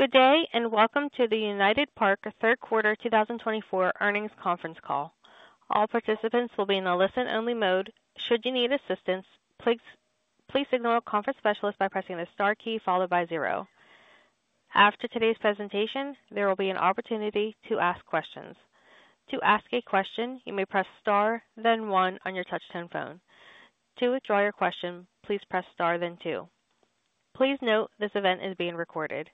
Good day and welcome to the United Parks & Resorts' Third Quarter 2024 Earnings Conference Call. All participants will be in a listen-only mode. Should you need assistance, please signal a conference specialist by pressing the star key followed by zero. After today's presentation, there will be an opportunity to ask questions. To ask a question, you may press star, then one on your touch-tone phone. To withdraw your question, please press star, then two. Please note this event is being recorded.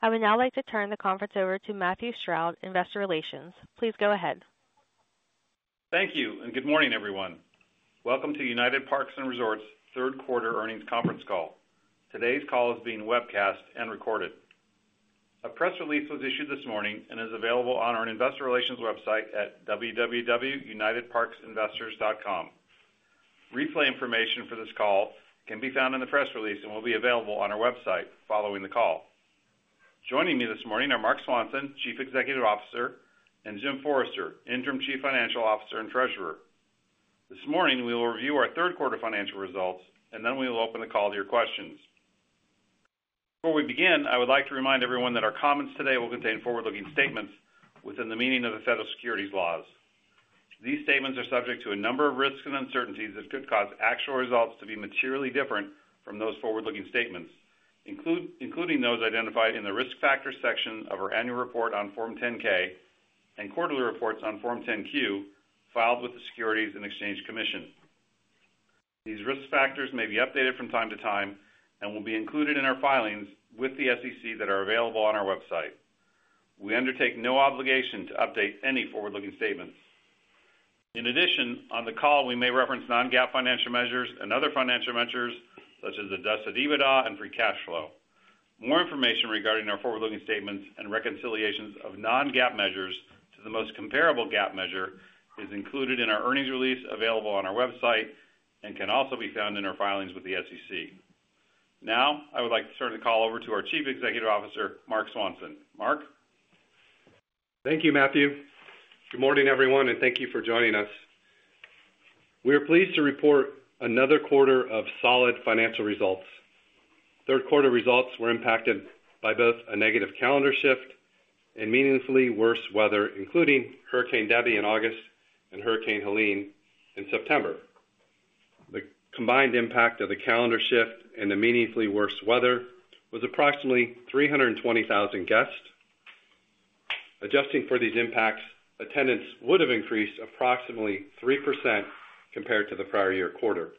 I would now like to turn the conference over to Matthew Stroud, Investor Relations. Please go ahead. Thank you and good morning, everyone. Welcome to United Parks & Resorts' Third Quarter Earnings Conference Call. Today's call is being webcast and recorded. A press release was issued this morning and is available on our Investor Relations website at www.unitedparksinvestors.com. Replay information for this call can be found in the press release and will be available on our website following the call. Joining me this morning are Marc Swanson, Chief Executive Officer, and Jim Forrester, Interim Chief Financial Officer and Treasurer. This morning, we will review our third quarter financial results, and then we will open the call to your questions. Before we begin, I would like to remind everyone that our comments today will contain forward-looking statements within the meaning of the federal securities laws. These statements are subject to a number of risks and uncertainties that could cause actual results to be materially different from those forward-looking statements, including those identified in the risk factor section of our annual report on Form 10-K and quarterly reports on Form 10-Q filed with the Securities and Exchange Commission. These risk factors may be updated from time to time and will be included in our filings with the SEC that are available on our website. We undertake no obligation to update any forward-looking statements. In addition, on the call, we may reference non-GAAP financial measures and other financial measures such as the discussion of dividends and free cash flow. More information regarding our forward-looking statements and reconciliations of non-GAAP measures to the most comparable GAAP measure is included in our earnings release available on our website and can also be found in our filings with the SEC. Now, I would like to turn the call over to our Chief Executive Officer, Marc Swanson. Marc. Thank you, Matthew. Good morning, everyone, and thank you for joining us. We are pleased to report another quarter of solid financial results. Third quarter results were impacted by both a negative calendar shift and meaningfully worse weather, including Hurricane Debby in August and Hurricane Helene in September. The combined impact of the calendar shift and the meaningfully worse weather was approximately 320,000 guests. Adjusting for these impacts, attendance would have increased approximately 3% compared to the prior year quarter.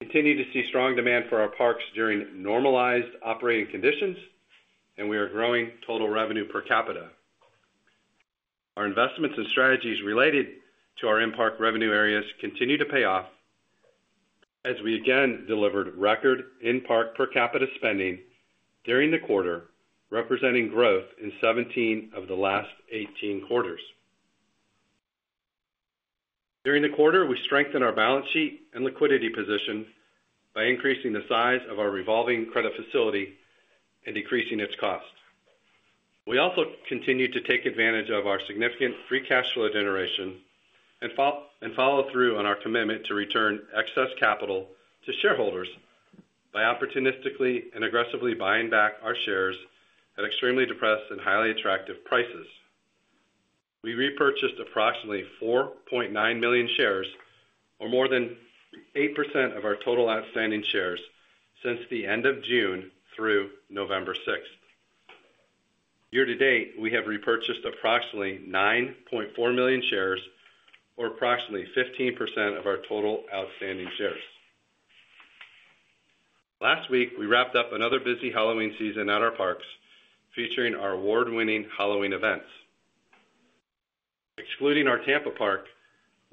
We continue to see strong demand for our parks during normalized operating conditions, and we are growing total revenue per capita. Our investments and strategies related to our in-park revenue areas continue to pay off as we again delivered record in-park per capita spending during the quarter, representing growth in 17 of the last 18 quarters. During the quarter, we strengthened our balance sheet and liquidity position by increasing the size of our revolving credit facility and decreasing its cost. We also continue to take advantage of our significant free cash flow generation and follow through on our commitment to return excess capital to shareholders by opportunistically and aggressively buying back our shares at extremely depressed and highly attractive prices. We repurchased approximately 4.9 million shares, or more than 8% of our total outstanding shares, since the end of June through November 6th. Year to date, we have repurchased approximately 9.4 million shares, or approximately 15% of our total outstanding shares. Last week, we wrapped up another busy Halloween season at our parks, featuring our award-winning Halloween events. Excluding our Tampa park,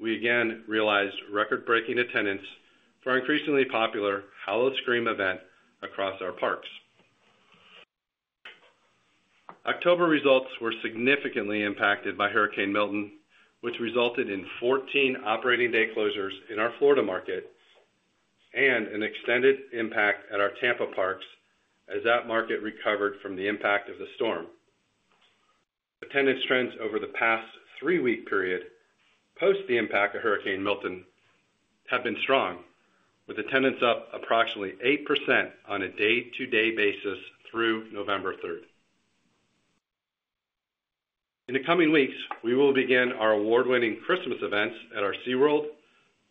we again realized record-breaking attendance for our increasingly popular Howl-O-Scream event across our parks. October results were significantly impacted by Hurricane Milton, which resulted in 14 operating day closures in our Florida market and an extended impact at our Tampa Parks as that market recovered from the impact of the storm. Attendance trends over the past three-week period post the impact of Hurricane Milton have been strong, with attendance up approximately 8% on a day-to-day basis through November 3rd. In the coming weeks, we will begin our award-winning Christmas events at our SeaWorld,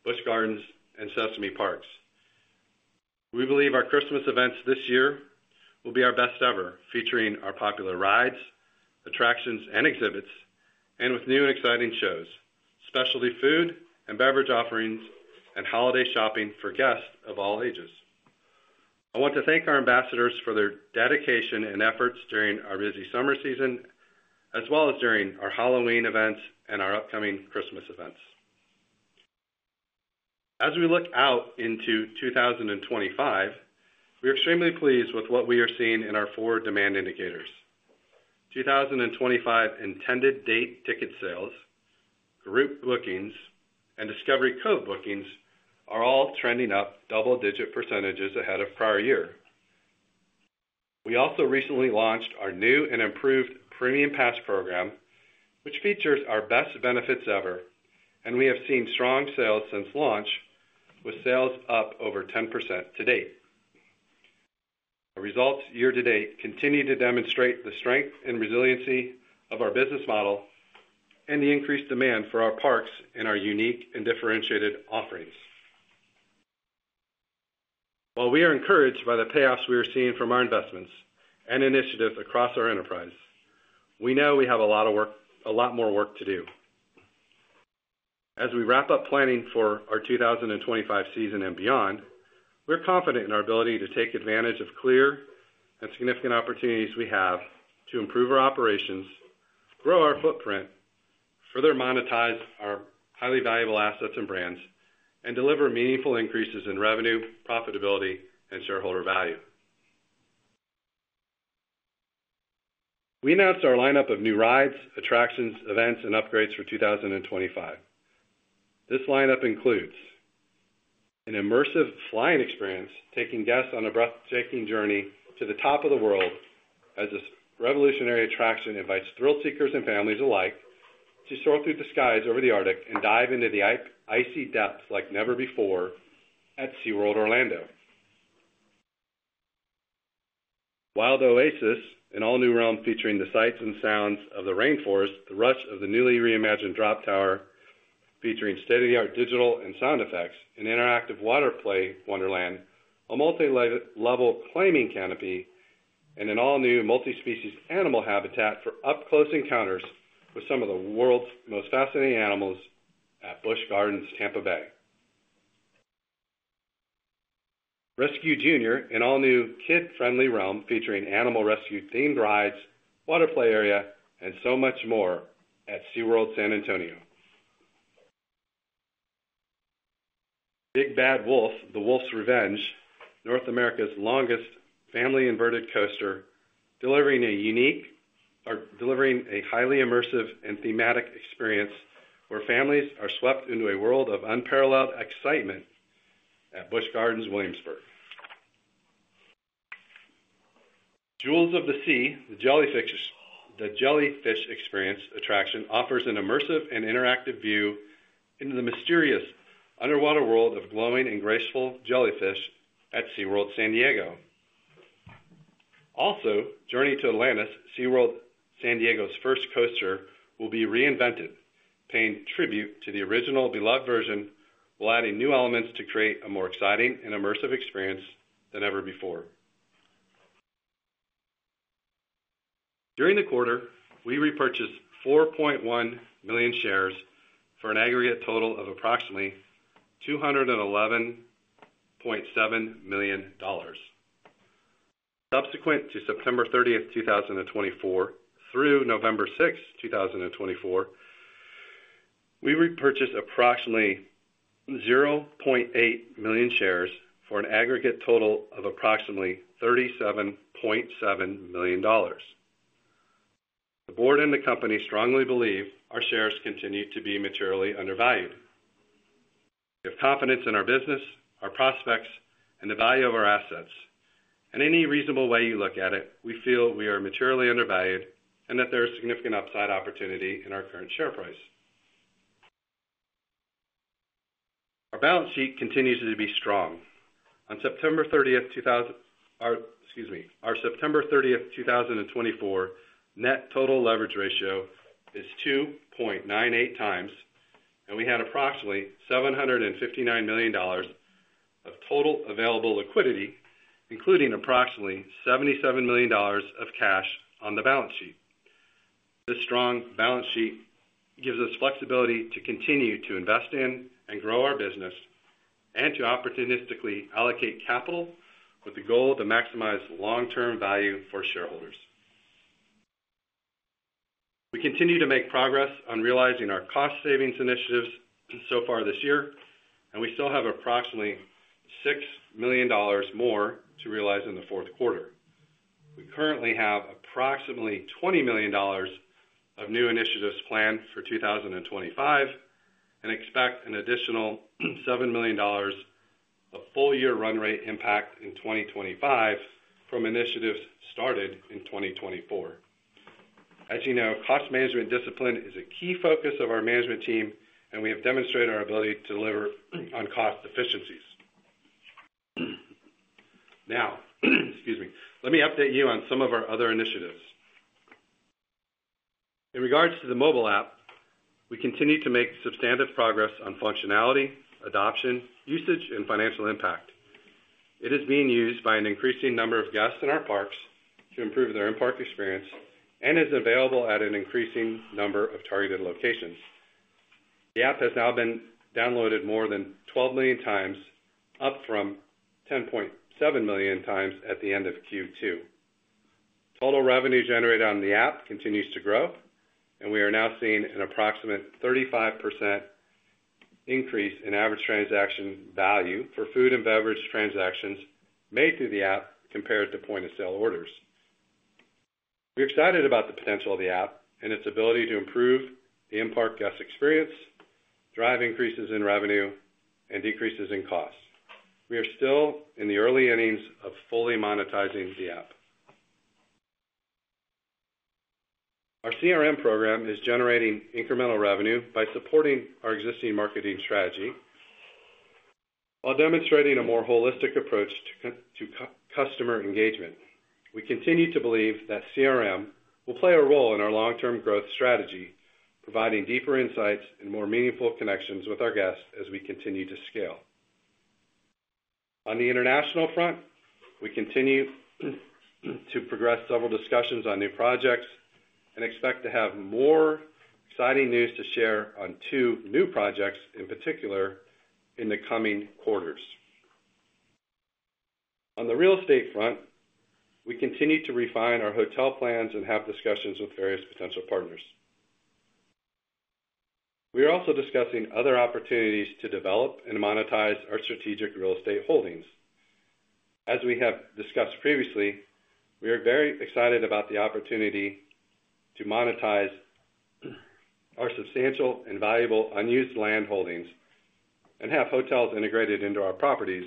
Busch Gardens, and Sesame Parks. We believe our Christmas events this year will be our best ever, featuring our popular rides, attractions, and exhibits, and with new and exciting shows, specialty food and beverage offerings, and holiday shopping for guests of all ages. I want to thank our ambassadors for their dedication and efforts during our busy summer season, as well as during our Halloween events and our upcoming Christmas events. As we look out into 2025, we are extremely pleased with what we are seeing in our four demand indicators. 2025 intended date ticket sales, group bookings, and Discovery Cove bookings are all trending up double-digit percentages ahead of prior year. We also recently launched our new and improved Premium Pass program, which features our best benefits ever, and we have seen strong sales since launch, with sales up over 10% to date. Our results year to date continue to demonstrate the strength and resiliency of our business model and the increased demand for our parks and our unique and differentiated offerings. While we are encouraged by the payoffs we are seeing from our investments and initiatives across our enterprise, we know we have a lot more work to do. As we wrap up planning for our 2025 season and beyond, we're confident in our ability to take advantage of clear and significant opportunities we have to improve our operations, grow our footprint, further monetize our highly valuable assets and brands, and deliver meaningful increases in revenue, profitability, and shareholder value. We announced our lineup of new rides, attractions, events, and upgrades for 2025. This lineup includes an immersive flying experience, taking guests on a breathtaking journey to the top of the world as this revolutionary attraction invites thrill-seekers and families alike to soar through the skies over the Arctic and dive into the icy depths like never before at SeaWorld Orlando. Wild Oasis: an all-new realm featuring the sights and sounds of the rainforest, the rush of the newly reimagined drop tower featuring state-of-the-art digital and sound effects, an interactive water play Wonderland, a multi-level climbing canopy, and an all-new multi-species animal habitat for up-close encounters with some of the world's most fascinating animals at Busch Gardens Tampa Bay. Rescue Junior: an all-new kid-friendly realm featuring animal rescue-themed rides, water play area, and so much more at SeaWorld San Antonio. Big Bad Wolf: The Wolf's Revenge: North America's longest family-inverted coaster, delivering a highly immersive and thematic experience where families are swept into a world of unparalleled excitement at Busch Gardens Williamsburg. Jewels of the Sea: The Jellyfish Experience attraction offers an immersive and interactive view into the mysterious underwater world of glowing and graceful jellyfish at SeaWorld San Diego. Also, Journey to Atlantis: SeaWorld San Diego's first coaster will be reinvented, paying tribute to the original beloved version, while adding new elements to create a more exciting and immersive experience than ever before. During the quarter, we repurchased 4.1 million shares for an aggregate total of approximately $211.7 million. Subsequent to September 30th, 2024, through November 6th, 2024, we repurchased approximately 0.8 million shares for an aggregate total of approximately $37.7 million. The board and the company strongly believe our shares continue to be materially undervalued. We have confidence in our business, our prospects, and the value of our assets. In any reasonable way you look at it, we feel we are materially undervalued and that there is significant upside opportunity in our current share price. Our balance sheet continues to be strong. On September 30th, 2024, our September 30th, 2024, Net Total Leverage Ratio is 2.98 times, and we had approximately $759 million of total available liquidity, including approximately $77 million of cash on the balance sheet. This strong balance sheet gives us flexibility to continue to invest in and grow our business and to opportunistically allocate capital with the goal to maximize long-term value for shareholders. We continue to make progress on realizing our cost savings initiatives so far this year, and we still have approximately $6 million more to realize in the fourth quarter. We currently have approximately $20 million of new initiatives planned for 2025 and expect an additional $7 million of full-year run rate impact in 2025 from initiatives started in 2024. As you know, cost management discipline is a key focus of our management team, and we have demonstrated our ability to deliver on cost efficiencies. Now, excuse me, let me update you on some of our other initiatives. In regards to the mobile app, we continue to make substantive progress on functionality, adoption, usage, and financial impact. It is being used by an increasing number of guests in our parks to improve their in-park experience and is available at an increasing number of targeted locations. The app has now been downloaded more than 12 million times, up from 10.7 million times at the end of Q2. Total revenue generated on the app continues to grow, and we are now seeing an approximate 35% increase in average transaction value for food and beverage transactions made through the app compared to point-of-sale orders. We're excited about the potential of the app and its ability to improve the in-park guest experience, drive increases in revenue, and decreases in cost. We are still in the early innings of fully monetizing the app. Our CRM program is generating incremental revenue by supporting our existing marketing strategy while demonstrating a more holistic approach to customer engagement. We continue to believe that CRM will play a role in our long-term growth strategy, providing deeper insights and more meaningful connections with our guests as we continue to scale. On the international front, we continue to progress several discussions on new projects and expect to have more exciting news to share on two new projects in particular in the coming quarters. On the real estate front, we continue to refine our hotel plans and have discussions with various potential partners. We are also discussing other opportunities to develop and monetize our strategic real estate holdings. As we have discussed previously, we are very excited about the opportunity to monetize our substantial and valuable unused land holdings and have hotels integrated into our properties.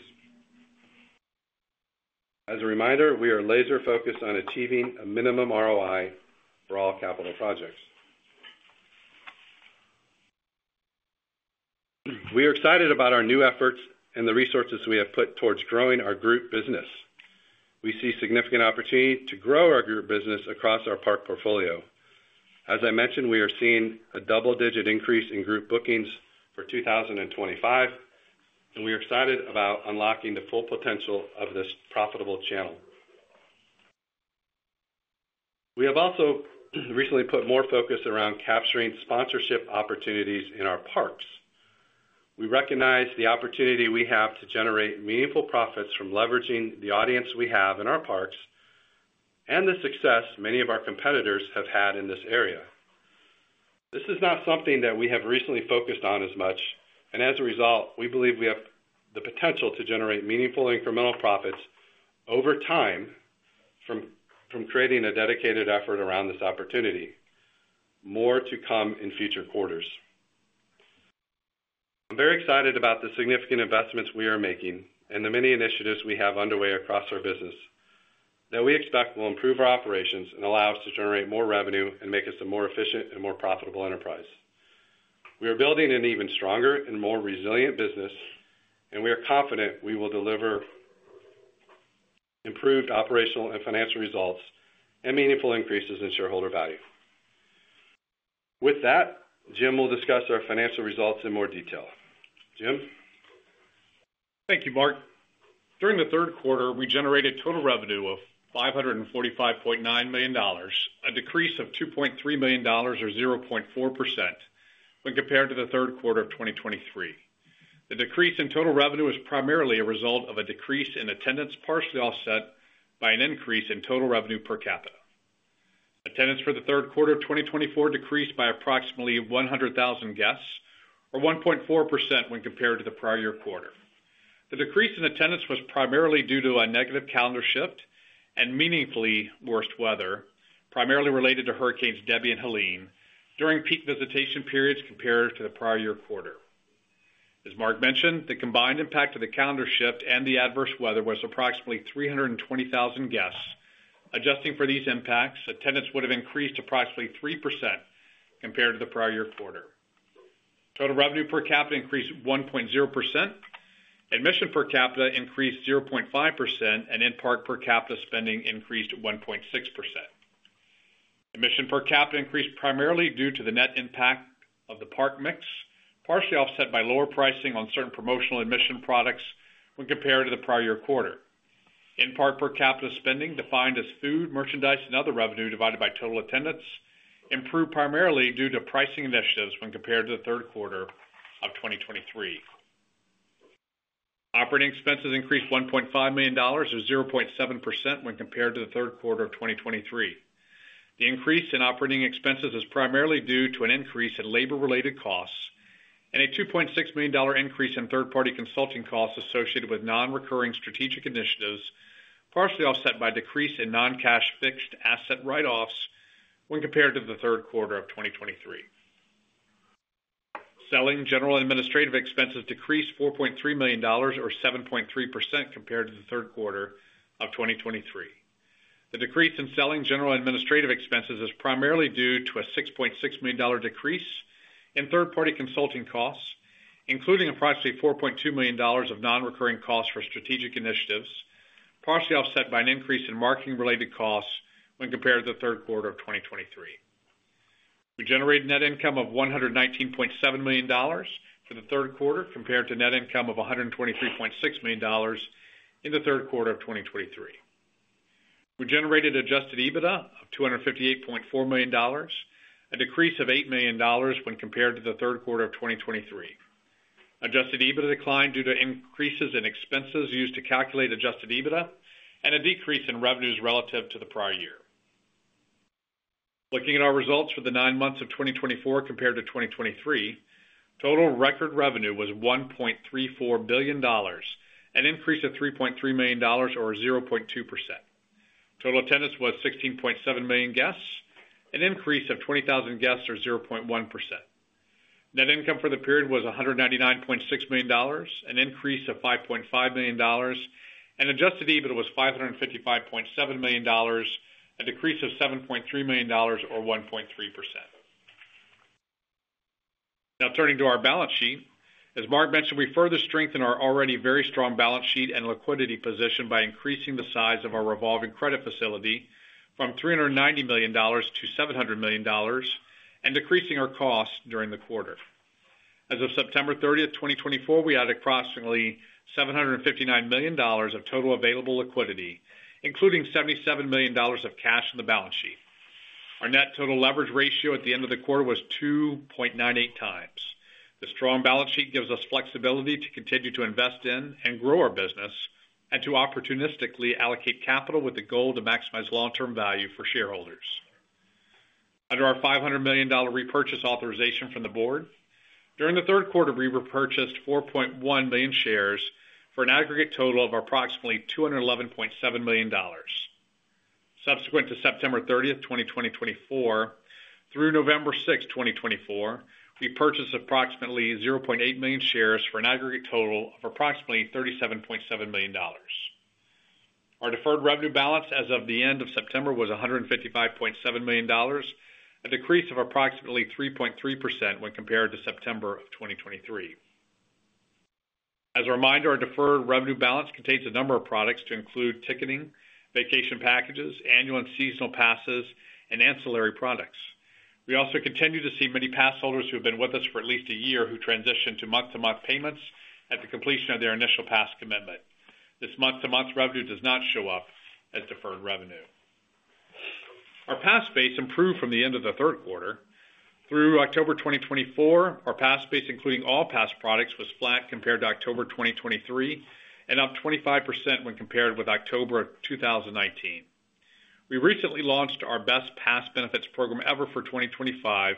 As a reminder, we are laser-focused on achieving a minimum ROI for all capital projects. We are excited about our new efforts and the resources we have put towards growing our group business. We see significant opportunity to grow our group business across our park portfolio. As I mentioned, we are seeing a double-digit increase in group bookings for 2025, and we are excited about unlocking the full potential of this profitable channel. We have also recently put more focus around capturing sponsorship opportunities in our parks. We recognize the opportunity we have to generate meaningful profits from leveraging the audience we have in our parks and the success many of our competitors have had in this area. This is not something that we have recently focused on as much, and as a result, we believe we have the potential to generate meaningful incremental profits over time from creating a dedicated effort around this opportunity. More to come in future quarters. I'm very excited about the significant investments we are making and the many initiatives we have underway across our business that we expect will improve our operations and allow us to generate more revenue and make us a more efficient and more profitable enterprise. We are building an even stronger and more resilient business, and we are confident we will deliver improved operational and financial results and meaningful increases in shareholder value. With that, Jim will discuss our financial results in more detail. Jim. Thank you, Marc. During the third quarter, we generated total revenue of $545.9 million, a decrease of $2.3 million or 0.4% when compared to the third quarter of 2023. The decrease in total revenue is primarily a result of a decrease in attendance partially offset by an increase in total revenue per capita. Attendance for the third quarter of 2024 decreased by approximately 100,000 guests or 1.4% when compared to the prior year quarter. The decrease in attendance was primarily due to a negative calendar shift and meaningfully worse weather, primarily related to Hurricanes Debby and Helene during peak visitation periods compared to the prior year quarter. As Marc mentioned, the combined impact of the calendar shift and the adverse weather was approximately 320,000 guests. Adjusting for these impacts, attendance would have increased approximately 3% compared to the prior year quarter. Total revenue per capita increased 1.0%. Admission per capita increased 0.5%, and in-park per capita spending increased 1.6%. Admission per capita increased primarily due to the net impact of the park mix, partially offset by lower pricing on certain promotional admission products when compared to the prior year quarter. In-park per capita spending, defined as food, merchandise, and other revenue divided by total attendance, improved primarily due to pricing initiatives when compared to the third quarter of 2023. Operating expenses increased $1.5 million or 0.7% when compared to the third quarter of 2023. The increase in operating expenses is primarily due to an increase in labor-related costs and a $2.6 million increase in third-party consulting costs associated with non-recurring strategic initiatives, partially offset by a decrease in non-cash fixed asset write-offs when compared to the third quarter of 2023. Selling general administrative expenses decreased $4.3 million or 7.3% compared to the third quarter of 2023. The decrease in selling general administrative expenses is primarily due to a $6.6 million decrease in third-party consulting costs, including approximately $4.2 million of non-recurring costs for strategic initiatives, partially offset by an increase in marketing-related costs when compared to the third quarter of 2023. We generated net income of $119.7 million for the third quarter compared to net income of $123.6 million in the third quarter of 2023. We generated Adjusted EBITDA of $258.4 million, a decrease of $8 million when compared to the third quarter of 2023. Adjusted EBITDA declined due to increases in expenses used to calculate Adjusted EBITDA and a decrease in revenues relative to the prior year. Looking at our results for the nine months of 2024 compared to 2023, total record revenue was $1.34 billion, an increase of $3.3 million or 0.2%. Total attendance was 16.7 million guests, an increase of 20,000 guests or 0.1%. Net income for the period was $199.6 million, an increase of $5.5 million, and Adjusted EBITDA was $555.7 million, a decrease of $7.3 million or 1.3%. Now, turning to our balance sheet, as Marc mentioned, we further strengthened our already very strong balance sheet and liquidity position by increasing the size of our Revolving Credit Facility from $390 million to $700 million and decreasing our costs during the quarter. As of September 30th, 2024, we had approximately $759 million of total available liquidity, including $77 million of cash in the balance sheet. Our net total leverage ratio at the end of the quarter was 2.98 times. The strong balance sheet gives us flexibility to continue to invest in and grow our business and to opportunistically allocate capital with the goal to maximize long-term value for shareholders. Under our $500 million repurchase authorization from the board, during the third quarter, we repurchased 4.1 million shares for an aggregate total of approximately $211.7 million. Subsequent to September 30th, 2024, through November 6th, 2024, we purchased approximately 0.8 million shares for an aggregate total of approximately $37.7 million. Our deferred revenue balance as of the end of September was $155.7 million, a decrease of approximately 3.3% when compared to September of 2023. As a reminder, our deferred revenue balance contains a number of products to include ticketing, vacation packages, annual and seasonal passes, and ancillary products. We also continue to see many passholders who have been with us for at least a year who transitioned to month-to-month payments at the completion of their initial pass commitment. This month-to-month revenue does not show up as deferred revenue. Our pass base improved from the end of the third quarter. Through October 2024, our pass sales, including all pass products, was flat compared to October 2023 and up 25% when compared with October of 2019. We recently launched our best pass benefits program ever for 2025,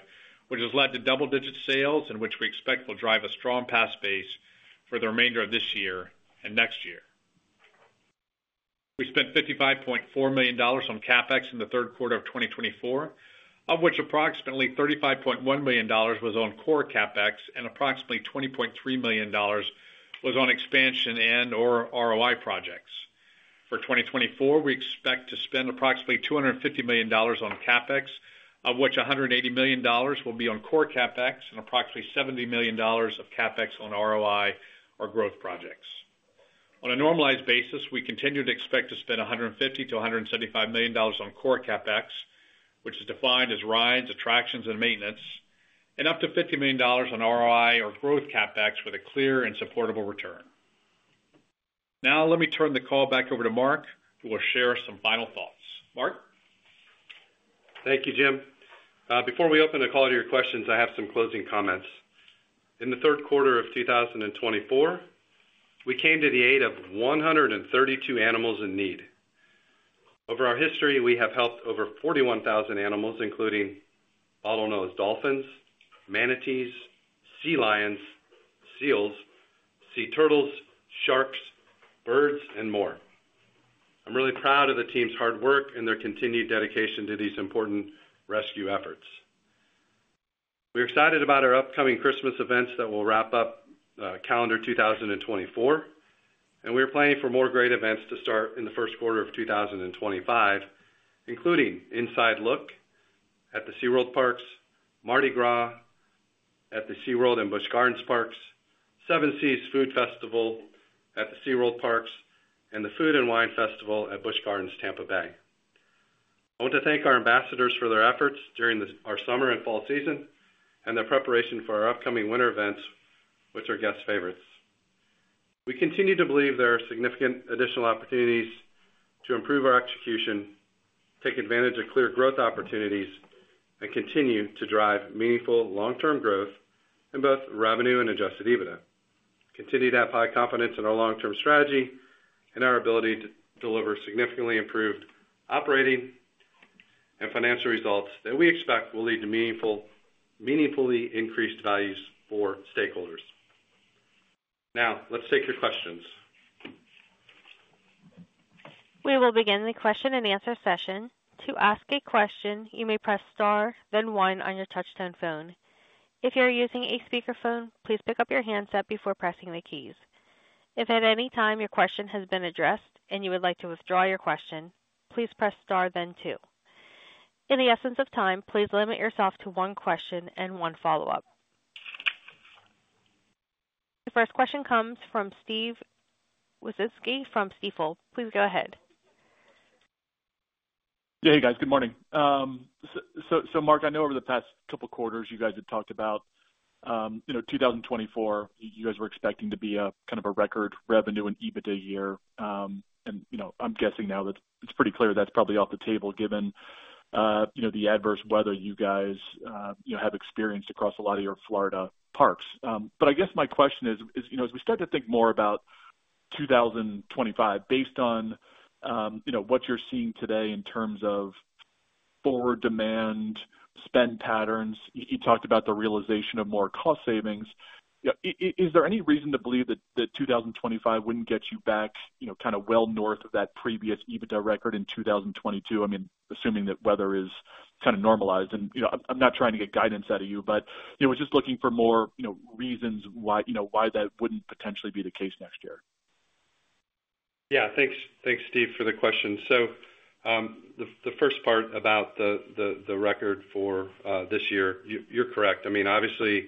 which has led to double-digit sales and which we expect will drive a strong pass sales for the remainder of this year and next year. We spent $55.4 million on CapEx in the third quarter of 2024, of which approximately $35.1 million was on core CapEx and approximately $20.3 million was on expansion and/or ROI projects. For 2024, we expect to spend approximately $250 million on CapEx, of which $180 million will be on core CapEx and approximately $70 million of CapEx on ROI or growth projects. On a normalized basis, we continue to expect to spend $150-$175 million on core CapEx, which is defined as rides, attractions, and maintenance, and up to $50 million on ROI or growth CapEx with a clear and supportable return. Now, let me turn the call back over to Marc, who will share some final thoughts. Marc? Thank you, Jim. Before we open the call to your questions, I have some closing comments. In the third quarter of 2024, we came to the aid of 132 animals in need. Over our history, we have helped over 41,000 animals, including bottlenose dolphins, manatees, sea lions, seals, sea turtles, sharks, birds, and more. I'm really proud of the team's hard work and their continued dedication to these important rescue efforts. We're excited about our upcoming Christmas events that will wrap up calendar 2024, and we are planning for more great events to start in the first quarter of 2025, including Inside Look at the SeaWorld Parks, Mardi Gras at the SeaWorld and Busch Gardens Parks, Seven Seas Food Festival at the SeaWorld Parks, and the Food and Wine Festival at Busch Gardens Tampa Bay. I want to thank our ambassadors for their efforts during our summer and fall season and their preparation for our upcoming winter events, which are guest favorites. We continue to believe there are significant additional opportunities to improve our execution, take advantage of clear growth opportunities, and continue to drive meaningful long-term growth in both revenue and adjusted EBITDA. Continue to have high confidence in our long-term strategy and our ability to deliver significantly improved operating and financial results that we expect will lead to meaningfully increased values for stakeholders. Now, let's take your que stions. We will begin the question and answer session. To ask a question, you may press star, then one on your touch-tone phone. If you're using a speakerphone, please pick up your handset before pressing the keys. If at any time your question has been addressed and you would like to withdraw your question, please press star, then two. In the interest of time, please limit yourself to one question and one follow-up. The first question comes from Steven Wieczynski from Stifel. Please go ahead. Yeah, hey guys, good morning. So, Marc, I know over the past couple of quarters you guys have talked about 2024, you guys were expecting to be kind of a record revenue and EBITDA year. And I'm guessing now that it's pretty clear that's probably off the table given the adverse weather you guys have experienced across a lot of your Florida parks. But I guess my question is, as we start to think more about 2025, based on what you're seeing today in terms of forward demand spend patterns, you talked about the realization of more cost savings. Is there any reason to believe that 2025 wouldn't get you back kind of well north of that previous EBITDA record in 2022? I mean, assuming that weather is kind of normalized. And I'm not trying to get guidance out of you, but we're just looking for more reasons why that wouldn't potentially be the case next year. Yeah, thanks, Steve, for the question. So the first part about the record for this year, you're correct. I mean, obviously,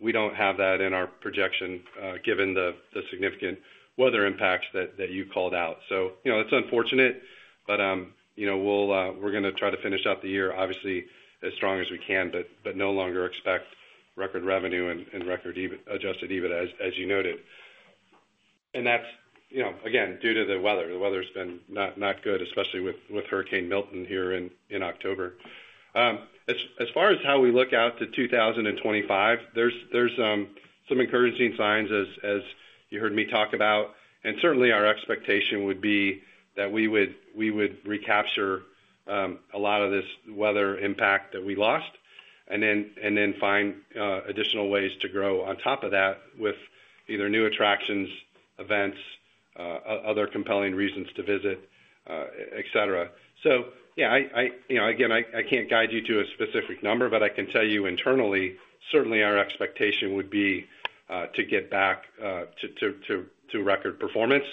we don't have that in our projection given the significant weather impacts that you called out. So it's unfortunate, but we're going to try to finish out the year, obviously, as strong as we can, but no longer expect record revenue and record Adjusted EBITDA, as you noted. And that's, again, due to the weather. The weather has been not good, especially with Hurricane Milton here in October. As far as how we look out to 2025, there's some encouraging signs, as you heard me talk about. Certainly, our expectation would be that we would recapture a lot of this weather impact that we lost and then find additional ways to grow on top of that with either new attractions, events, other compelling reasons to visit, etc. So, yeah, again, I can't guide you to a specific number, but I can tell you internally, certainly, our expectation would be to get back to record performance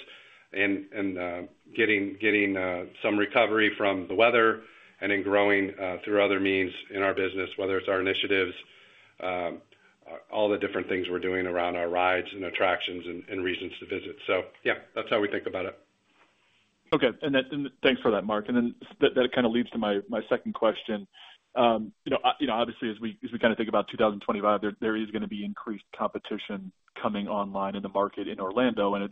and getting some recovery from the weather and then growing through other means in our business, whether it's our initiatives, all the different things we're doing around our rides and attractions and reasons to visit. So, yeah, that's how we think about it. Okay. And thanks for that, Marc. And then that kind of leads to my second question. Obviously, as we kind of think about 2025, there is going to be increased competition coming online in the market in Orlando. And I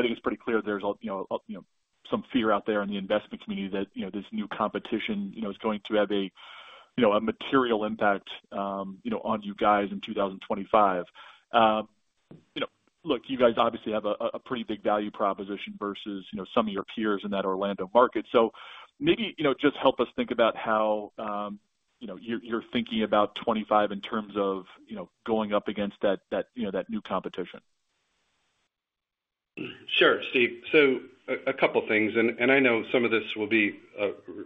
think it's pretty clear there's some fear out there in the investment community that this new competition is going to have a material impact on you guys in 2025. Look, you guys obviously have a pretty big value proposition versus some of your peers in that Orlando market. So maybe just help us think about how you're thinking about 2025 in terms of going up against that new competition. Sure, Steve. So a couple of things. And I know some of this will be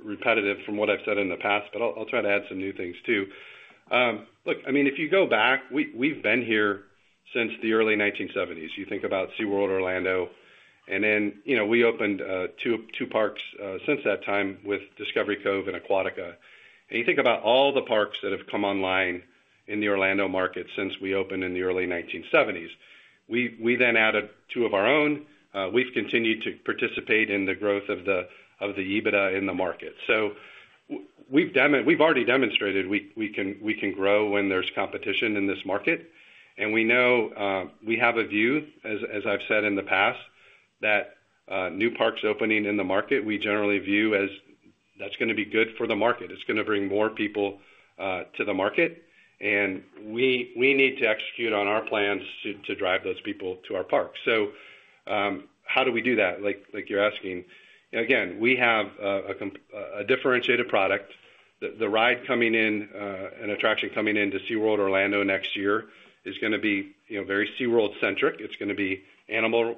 repetitive from what I've said in the past, but I'll try to add some new things too. Look, I mean, if you go back, we've been here since the early 1970s. You think about SeaWorld Orlando, and then we opened two parks since that time with Discovery Cove and Aquatica. You think about all the parks that have come online in the Orlando market since we opened in the early 1970s. We then added two of our own. We've continued to participate in the growth of the EBITDA in the market. We've already demonstrated we can grow when there's competition in this market. We know we have a view, as I've said in the past, that new parks opening in the market, we generally view as that's going to be good for the market. It's going to bring more people to the market. We need to execute on our plans to drive those people to our parks. How do we do that? Like you're asking. Again, we have a differentiated product. The ride coming in, an attraction coming into SeaWorld Orlando next year, is going to be very SeaWorld-centric. It's going to be animal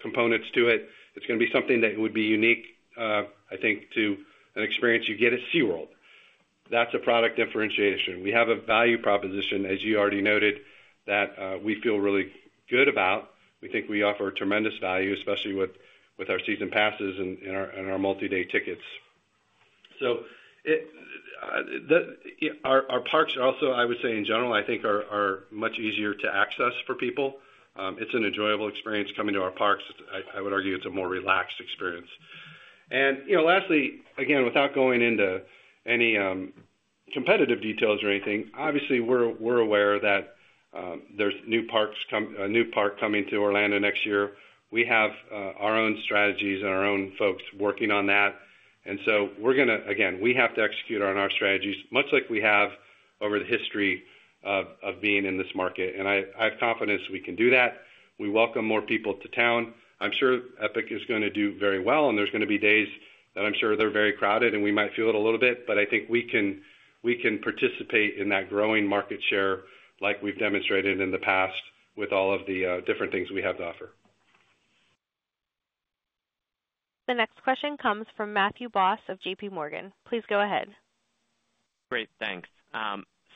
components to it. It's going to be something that would be unique, I think, to an experience you get at SeaWorld. That's a product differentiation. We have a value proposition, as you already noted, that we feel really good about. We think we offer tremendous value, especially with our season passes and our multi-day tickets. So our parks are also, I would say, in general, I think are much easier to access for people. It's an enjoyable experience coming to our parks. I would argue it's a more relaxed experience. And lastly, again, without going into any competitive details or anything, obviously, we're aware that there's a new park coming to Orlando next year. We have our own strategies and our own folks working on that. And so we're going to, again, we have to execute on our strategies, much like we have over the history of being in this market. And I have confidence we can do that. We welcome more people to town. I'm sure Epic is going to do very well, and there's going to be days that I'm sure they're very crowded, and we might feel it a little bit. But I think we can participate in that growing market share like we've demonstrated in the past with all of the different things we have to offer. The next question comes from Matthew Boss of J.P. Morgan. Please go ahead. Great. Thanks.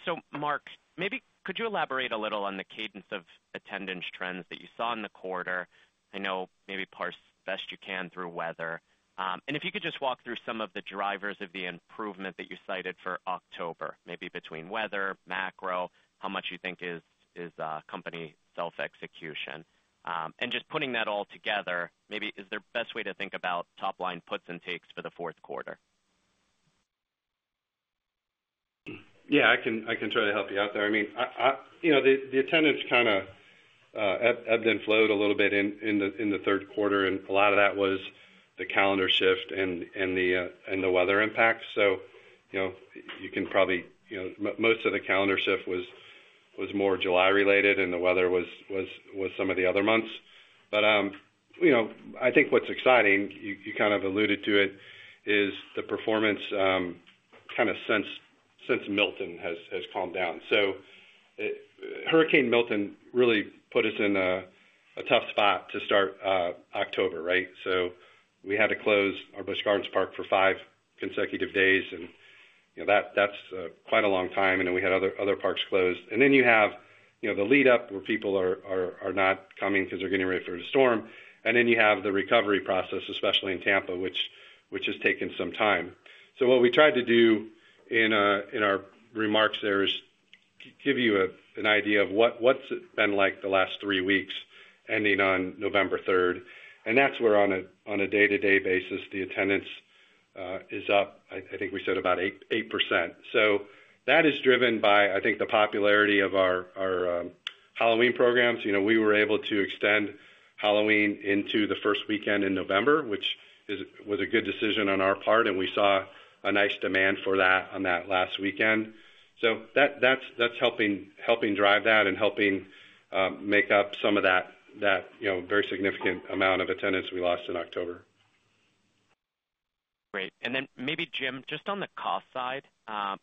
So, Marc, maybe could you elaborate a little on the cadence of attendance trends that you saw in the quarter? I know maybe parsed best you can through weather. If you could just walk through some of the drivers of the improvement that you cited for October, maybe between weather, macro, how much you think is company self-execution. Just putting that all together, maybe is there a best way to think about top-line puts and takes for the fourth quarter? Yeah, I can try to help you out there. I mean, the attendance kind of ebbed and flowed a little bit in the third quarter, and a lot of that was the calendar shift and the weather impact. So you can probably most of the calendar shift was more July-related, and the weather was some of the other months. I think what's exciting, you kind of alluded to it, is the performance kind of since Milton has calmed down. Hurricane Milton really put us in a tough spot to start October, right? So we had to close our Busch Gardens park for five consecutive days, and that's quite a long time. And then we had other parks closed. And then you have the lead-up where people are not coming because they're getting ready for the storm. And then you have the recovery process, especially in Tampa, which has taken some time. So what we tried to do in our remarks there is give you an idea of what it's been like the last three weeks ending on November 3rd. And that's where on a day-to-day basis, the attendance is up. I think we said about 8%. So that is driven by, I think, the popularity of our Halloween programs. We were able to extend Halloween into the first weekend in November, which was a good decision on our part. And we saw a nice demand for that on that last weekend. So that's helping drive that and helping make up some of that very significant amount of attendance we lost in October. Great. And then maybe, Jim, just on the cost side,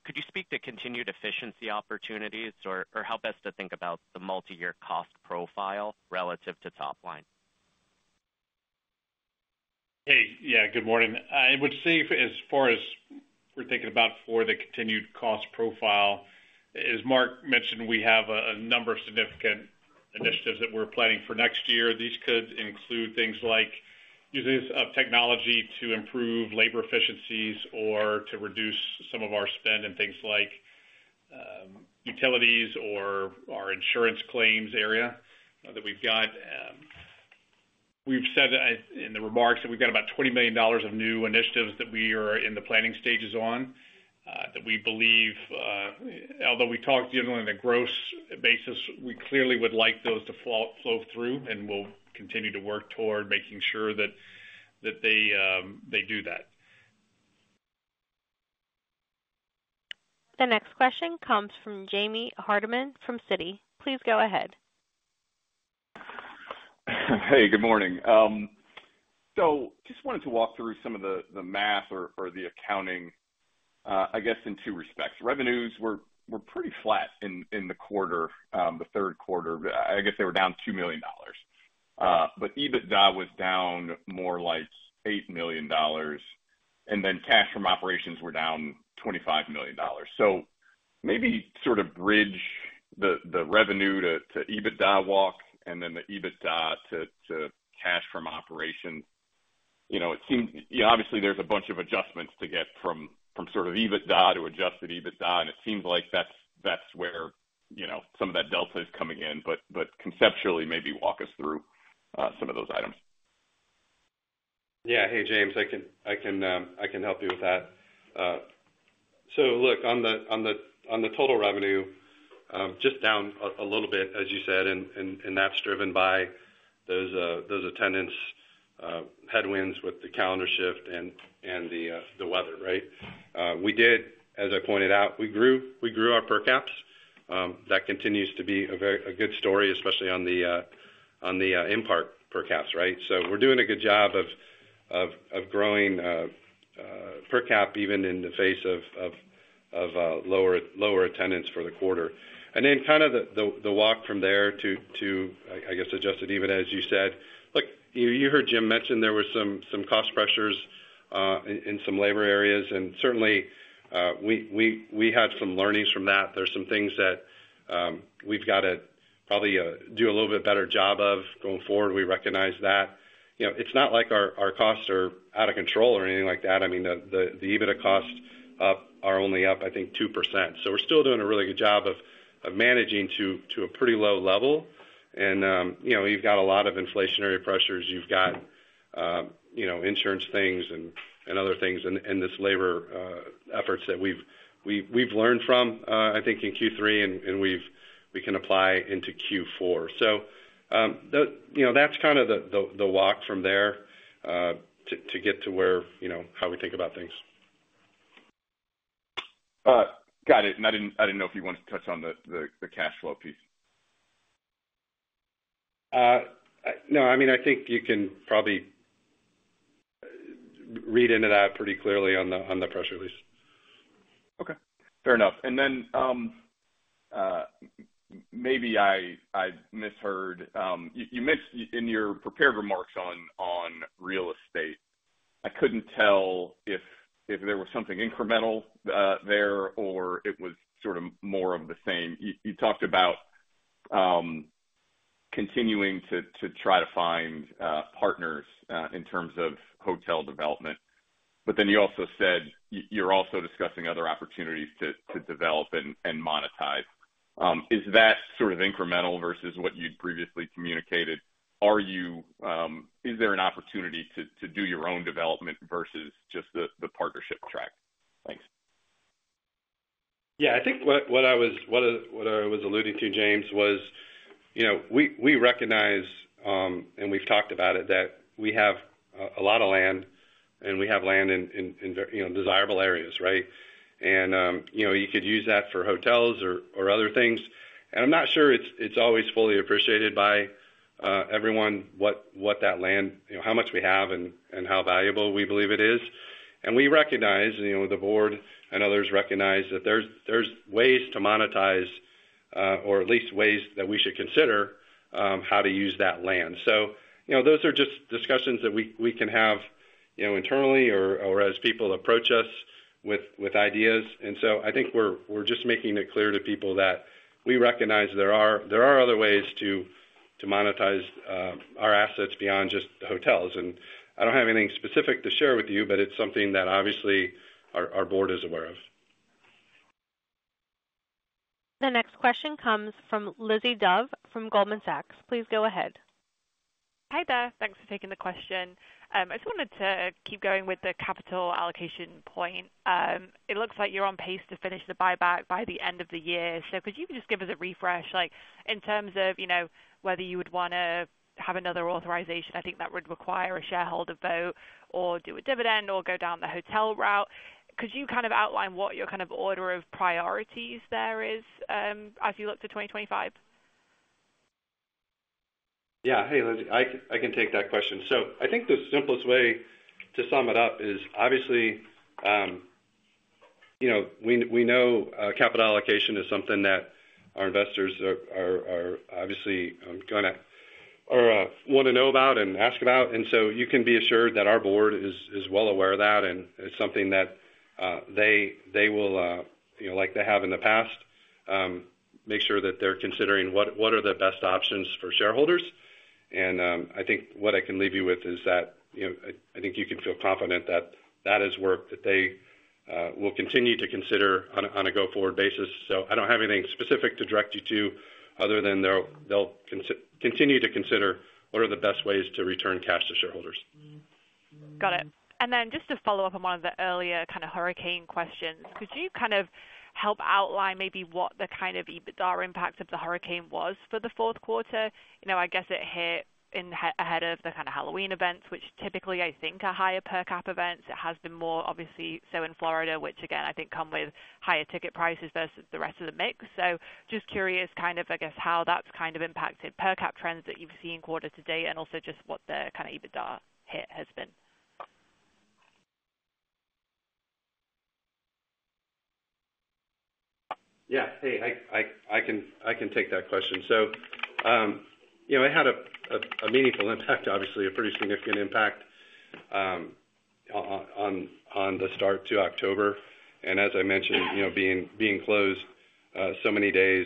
could you speak to continued efficiency opportunities or how best to think about the multi-year cost profile relative to top line? Hey, yeah, good morning. I would say as far as we're thinking about for the continued cost profile, as Marc mentioned, we have a number of significant initiatives that we're planning for next year. These could include things like using technology to improve labor efficiencies or to reduce some of our spend in things like utilities or our insurance claims area that we've got. We've said in the remarks that we've got about $20 million of new initiatives that we are in the planning stages on that we believe, although we talked to you on a gross basis, we clearly would like those to flow through, and we'll continue to work toward making sure that they do that. The next question comes from James Hardiman from Citi. Please go ahead. Hey, good morning. So just wanted to walk through some of the math or the accounting, I guess, in two respects. Revenues were pretty flat in the quarter, the third quarter. I guess they were down $2 million. But EBITDA was down more like $8 million. And then cash from operations were down $25 million. So maybe sort of bridge the revenue to EBITDA walk and then the EBITDA to cash from operations. Obviously, there's a bunch of adjustments to get from sort of EBITDA to adjusted EBITDA, and it seems like that's where some of that delta is coming in. But conceptually, maybe walk us through some of those items. Yeah. Hey, James, I can help you with that. So look, on the total revenue, just down a little bit, as you said, and that's driven by those attendance headwinds with the calendar shift and the weather, right? We did, as I pointed out, we grew our per caps. That continues to be a good story, especially on the in-park per caps, right? So we're doing a good job of growing per cap even in the face of lower attendance for the quarter. And then kind of the walk from there to, I guess, adjusted EBITDA, as you said. Look, you heard Jim mention there were some cost pressures in some labor areas. And certainly, we had some learnings from that. There's some things that we've got to probably do a little bit better job of going forward. We recognize that. It's not like our costs are out of control or anything like that. I mean, the EBITDA costs are only up, I think, 2%. So we're still doing a really good job of managing to a pretty low level. And you've got a lot of inflationary pressures. You've got insurance things and other things in this labor efforts that we've learned from, I think, in Q3, and we can apply into Q4. So that's kind of the walk from there to get to how we think about things. Got it. And I didn't know if you wanted to touch on the cash flow piece. No. I mean, I think you can probably read into that pretty clearly on the press release. Okay. Fair enough, and then maybe I misheard. You mentioned in your prepared remarks on real estate. I couldn't tell if there was something incremental there or it was sort of more of the same. You talked about continuing to try to find partners in terms of hotel development, but then you also said you're also discussing other opportunities to develop and monetize. Is that sort of incremental versus what you'd previously communicated? Is there an opportunity to do your own development versus just the partnership track? Thanks. Yeah. I think what I was alluding to, James, was we recognize, and we've talked about it, that we have a lot of land, and we have land in desirable areas, right, and you could use that for hotels or other things. I'm not sure it's always fully appreciated by everyone what that land, how much we have, and how valuable we believe it is. We recognize the board and others recognize that there's ways to monetize or at least ways that we should consider how to use that land. Those are just discussions that we can have internally or as people approach us with ideas. I think we're just making it clear to people that we recognize there are other ways to monetize our assets beyond just hotels. I don't have anything specific to share with you, but it's something that obviously our board is aware of. The next question comes from Lizzie Dove from Goldman Sachs. Please go ahead. Hi there. Thanks for taking the question. I just wanted to keep going with the capital allocation point. It looks like you're on pace to finish the buyback by the end of the year. So could you just give us a refresh in terms of whether you would want to have another authorization? I think that would require a shareholder vote or do a dividend or go down the hotel route. Could you kind of outline what your kind of order of priorities there is as you look to 2025? Yeah. Hey, Lizzie, I can take that question. So I think the simplest way to sum it up is obviously we know capital allocation is something that our investors are obviously going to want to know about and ask about. And so you can be assured that our board is well aware of that. And it's something that they will, like they have in the past, make sure that they're considering what are the best options for shareholders. I think what I can leave you with is that I think you can feel confident that that is work that they will continue to consider on a go-forward basis. So I don't have anything specific to direct you to other than they'll continue to consider what are the best ways to return cash to shareholders. Got it. And then just to follow up on one of the earlier kind of hurricane questions, could you kind of help outline maybe what the kind of EBITDA impact of the hurricane was for the fourth quarter? I guess it hit ahead of the kind of Halloween events, which typically, I think, are higher per cap events. It has been more, obviously, so in Florida, which, again, I think come with higher ticket prices versus the rest of the mix. So just curious kind of, I guess, how that's kind of impacted per cap trends that you've seen quarter to date and also just what the kind of EBITDA hit has been. Yeah. Hey, I can take that question. So it had a meaningful impact, obviously, a pretty significant impact on the start to October. And as I mentioned, being closed so many days,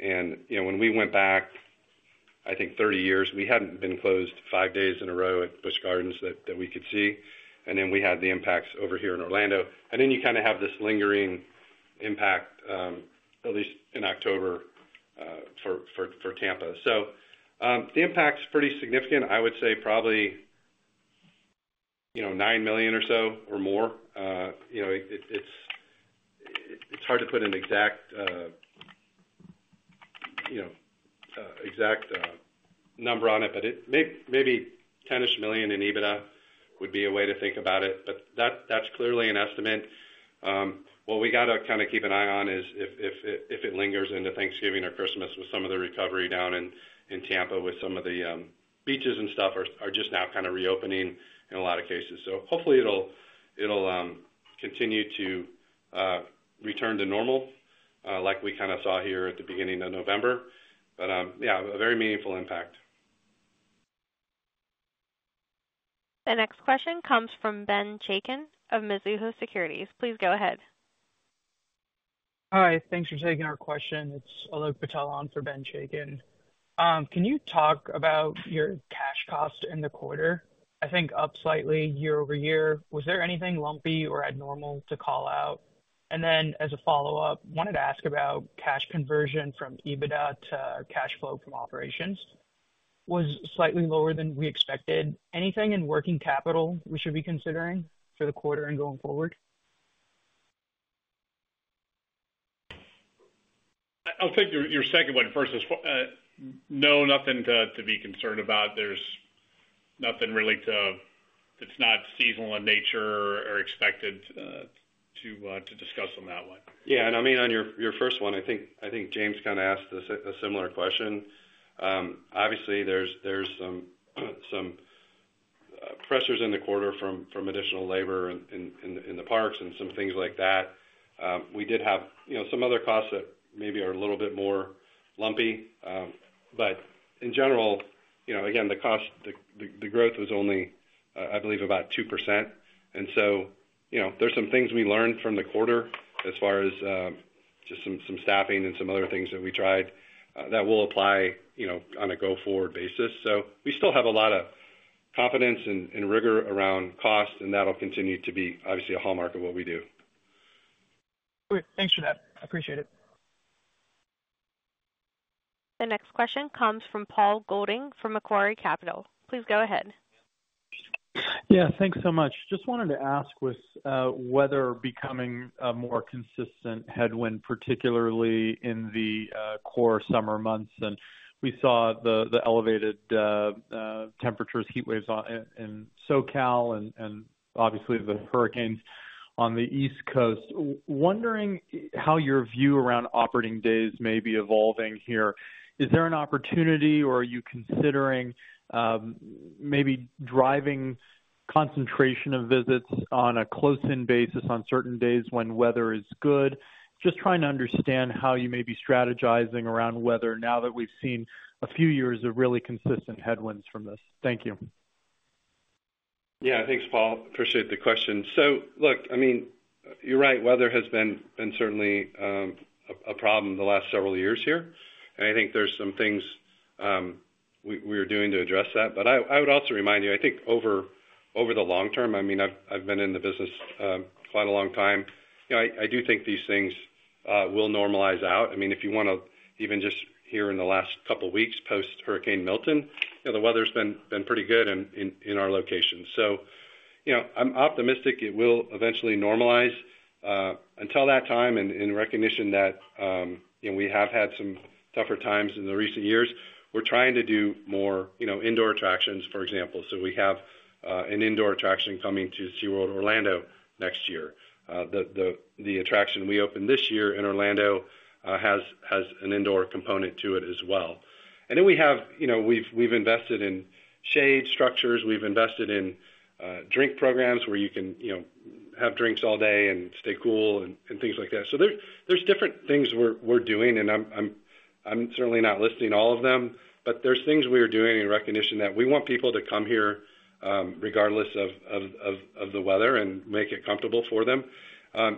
and when we went back, I think, 30 years, we hadn't been closed five days in a row at Busch Gardens that we could see. And then we had the impacts over here in Orlando. And then you kind of have this lingering impact, at least in October, for Tampa. So the impact's pretty significant. I would say probably $9 million or so or more. It's hard to put an exact number on it, but maybe 10-ish million in EBITDA would be a way to think about it. But that's clearly an estimate. What we got to kind of keep an eye on is if it lingers into Thanksgiving or Christmas with some of the recovery down in Tampa with some of the beaches and stuff are just now kind of reopening in a lot of cases. So hopefully, it'll continue to return to normal like we kind of saw here at the beginning of November. But yeah, a very meaningful impact. The next question comes from Ben Chacon of Mizuho Securities. Please go ahead. Hi. Thanks for taking our question. It's Alok Patel for Ben Chacon. Can you talk about your cash cost in the quarter? I think up slightly year-over-year. Was there anything lumpy or abnormal to call out? And then as a follow-up, wanted to ask about cash conversion from EBITDA to cash flow from operations, which was slightly lower than we expected. Anything in working capital we should be considering for the quarter and going forward? I'll take your second one first. No, nothing to be concerned about. There's nothing really to it. It's not seasonal in nature or expected to recur on that one. Yeah. And I mean, on your first one, I think James kind of asked a similar question. Obviously, there's some pressures in the quarter from additional labor in the parks and some things like that. We did have some other costs that maybe are a little bit more lumpy. But in general, again, the growth was only, I believe, about 2%. And so there's some things we learned from the quarter as far as just some staffing and some other things that we tried that will apply on a go-forward basis. So we still have a lot of confidence and rigor around cost, and that'll continue to be, obviously, a hallmark of what we do. Great. Thanks for that. I appreciate it. The next question comes from Paul Golding from Macquarie Capital. Please go ahead. Yeah. Thanks so much. Just wanted to ask whether weather becoming a more consistent headwind, particularly in the core summer months, and we saw the elevated temperatures, heat waves in SoCal and obviously the hurricanes on the East Coast. Wondering how your view around operating days may be evolving here. Is there an opportunity or are you considering maybe driving concentration of visits on a close-in basis on certain days when weather is good? Just trying to understand how you may be strategizing around weather now that we've seen a few years of really consistent headwinds from this. Thank you. Yeah. Thanks, Paul. Appreciate the question. So look, I mean, you're right. Weather has been certainly a problem the last several years here, and I think there's some things we are doing to address that, but I would also remind you, I think over the long term, I mean, I've been in the business quite a long time. I do think these things will normalize out. I mean, if you want to even just here in the last couple of weeks post-Hurricane Milton, the weather's been pretty good in our location. So I'm optimistic it will eventually normalize. Until that time, in recognition that we have had some tougher times in the recent years, we're trying to do more indoor attractions, for example. So we have an indoor attraction coming to SeaWorld Orlando next year. The attraction we opened this year in Orlando has an indoor component to it as well. And then we've invested in shade structures. We've invested in drink programs where you can have drinks all day and stay cool and things like that. So there's different things we're doing, and I'm certainly not listing all of them. But there's things we are doing in recognition that we want people to come here regardless of the weather and make it comfortable for them.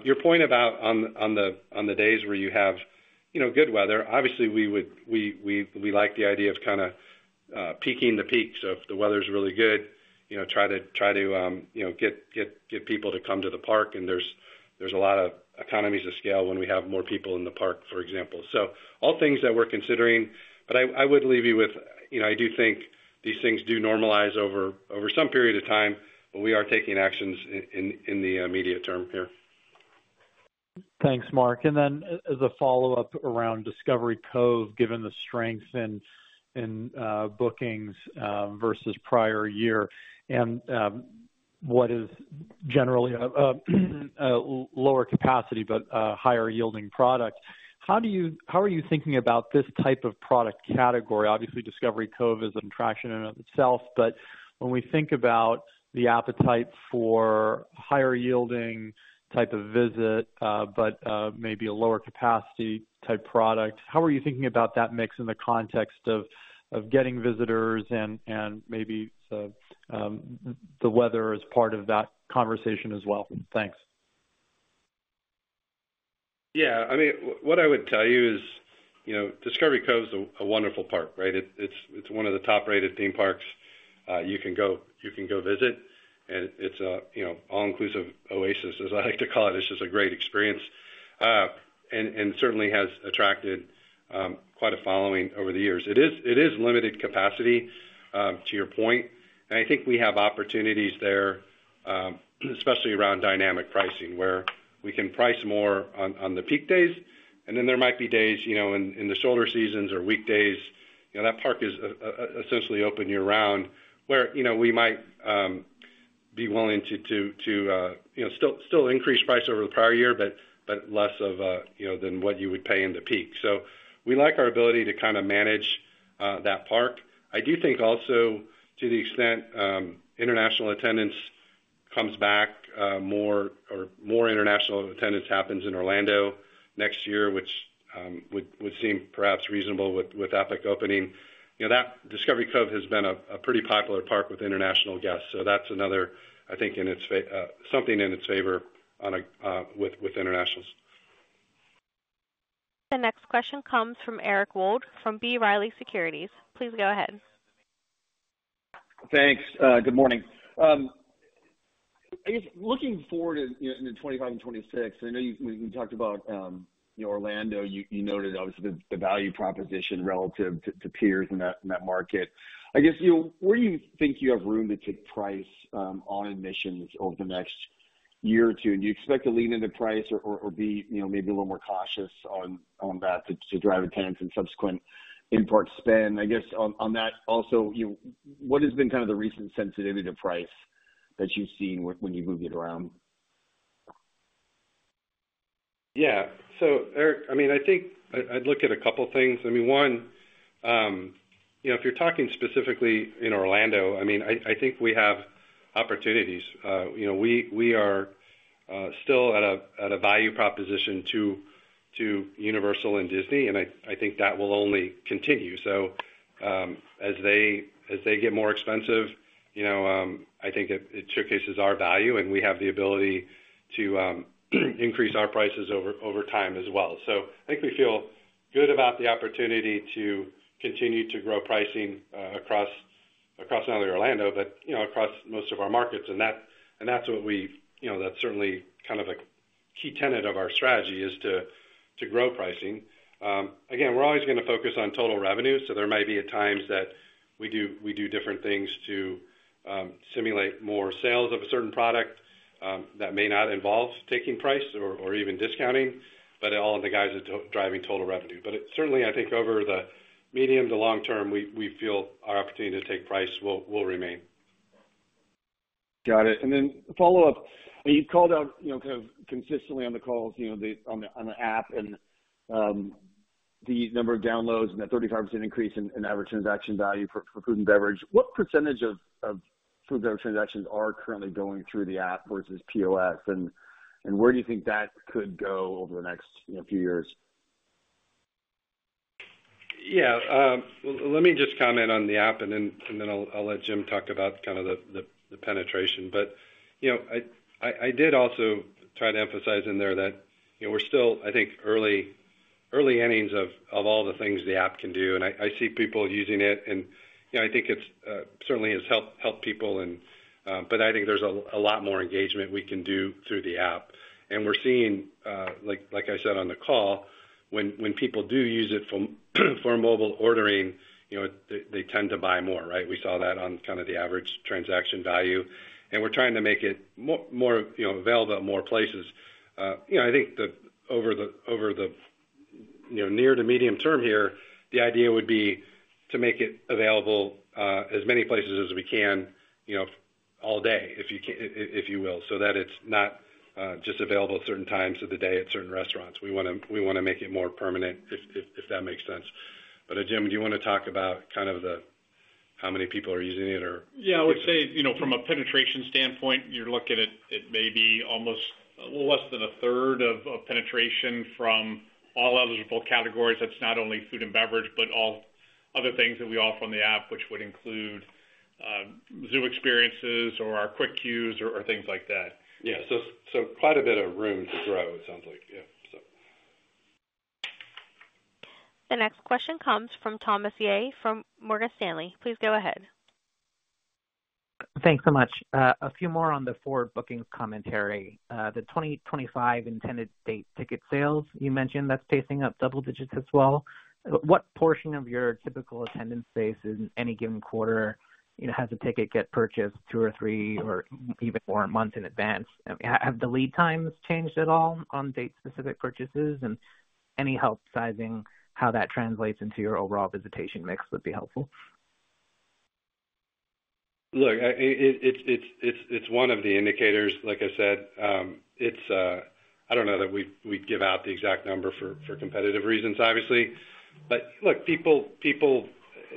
Your point about on the days where you have good weather, obviously, we like the idea of kind of peaking the peaks. So if the weather's really good, try to get people to come to the park. And there's a lot of economies of scale when we have more people in the park, for example. So all things that we're considering. But I would leave you with I do think these things do normalize over some period of time, but we are taking actions in the immediate term here. Thanks, Marc. And then as a follow-up around Discovery Cove, given the strength in bookings versus prior year and what is generally a lower capacity but higher-yielding product, how are you thinking about this type of product category? Obviously, Discovery Cove is an attraction in and of itself. But when we think about the appetite for higher-yielding type of visit but maybe a lower-capacity type product, how are you thinking about that mix in the context of getting visitors and maybe the weather as part of that conversation as well? Thanks. Yeah. I mean, what I would tell you is Discovery Cove is a wonderful park, right? It's one of the top-rated theme parks you can go visit, and it's an all-inclusive oasis, as I like to call it. It's just a great experience and certainly has attracted quite a following over the years. It is limited capacity, to your point, and I think we have opportunities there, especially around dynamic pricing, where we can price more on the peak days, and then there might be days in the shoulder seasons or weekdays. That park is essentially open year-round, where we might be willing to still increase price over the prior year, but less than what you would pay in the peak, so we like our ability to kind of manage that park. I do think also, to the extent international attendance comes back more or more international attendance happens in Orlando next year, which would seem perhaps reasonable with Epic opening. Discovery Cove has been a pretty popular park with international guests. So that's another, I think, something in its favor with internationals. The next question comes from Eric Wold from B. Riley Securities. Please go ahead. Thanks. Good morning. I guess looking forward in 2025 and 2026, I know we talked about Orlando. You noted, obviously, the value proposition relative to peers in that market. I guess where do you think you have room to take price on admissions over the next year or two? And do you expect to lean into price or be maybe a little more cautious on that to drive attendance and subsequent in-park spend? I guess on that also, what has been kind of the recent sensitivity to price that you've seen when you've moved it around? Yeah. So Eric, I mean, I think I'd look at a couple of things. I mean, one, if you're talking specifically in Orlando, I mean, I think we have opportunities. We are still at a value proposition to Universal and Disney. And I think that will only continue. So as they get more expensive, I think it showcases our value, and we have the ability to increase our prices over time as well. So I think we feel good about the opportunity to continue to grow pricing across not only Orlando, but across most of our markets. And that's what we certainly kind of a key tenet of our strategy is to grow pricing. Again, we're always going to focus on total revenue. So there might be at times that we do different things to stimulate more sales of a certain product that may not involve taking price or even discounting, but it all in the guise of driving total revenue. But certainly, I think over the medium to long term, we feel our opportunity to take price will remain. Got it. And then follow-up. You've called out kind of consistently on the calls on the app and the number of downloads and the 35% increase in average transaction value for food and beverage. What percentage of food and beverage transactions are currently going through the app versus POS? And where do you think that could go over the next few years? Yeah. Let me just comment on the app, and then I'll let Jim talk about kind of the penetration. But I did also try to emphasize in there that we're still, I think, early innings of all the things the app can do. And I see people using it. And I think it certainly has helped people. But I think there's a lot more engagement we can do through the app. And we're seeing, like I said on the call, when people do use it for mobile ordering, they tend to buy more, right? We saw that on kind of the average transaction value. And we're trying to make it more available at more places. I think over the near to medium term here, the idea would be to make it available as many places as we can all day, if you will, so that it's not just available at certain times of the day at certain restaurants. We want to make it more permanent, if that makes sense. But Jim, do you want to talk about kind of how many people are using it or? Yeah. I would say from a penetration standpoint, you're looking at maybe almost a little less than a third of penetration from all other categories. That's not only food and beverage, but all other things that we offer on the app, which would include Zoo experiences or our quick queues or things like that. Yeah. So quite a bit of room to grow, it sounds like. Yeah. The next question comes from Thomas Yeh from Morgan Stanley. Please go ahead. Thanks so much. A few more on the forward-looking commentary. The 2025 intended date ticket sales you mentioned, that's pacing up double digits as well. What portion of your typical attendance base in any given quarter has a ticket get purchased two or three or even more months in advance? Have the lead times changed at all on date-specific purchases? Any help sizing, how that translates into your overall visitation mix would be helpful. Look, it's one of the indicators. Like I said, I don't know that we give out the exact number for competitive reasons, obviously. But look,